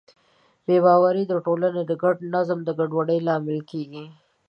بې باورۍ د ټولنې د ګډ نظم د ګډوډۍ لامل کېږي.